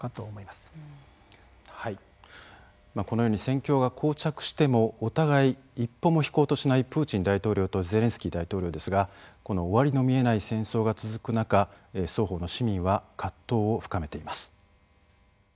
まあこのように戦況がこう着してもお互い一歩も引こうとしないプーチン大統領とゼレンスキー大統領ですがこの終わりの見えない戦争が続く中双方の市民は葛藤を深めています。